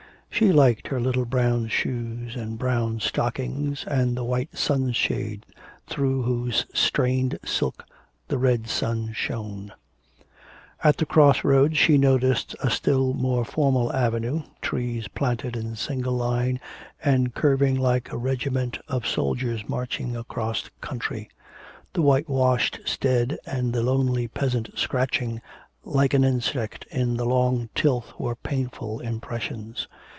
She liked her little brown shoes and brown stockings and the white sunshade through whose strained silk the red sun showed. At the cross roads she noticed a still more formal avenue, trees planted in single line and curving like a regiment of soldiers marching across country. The whitewashed stead and the lonely peasant scratching like an insect in the long tilth were painful impressions.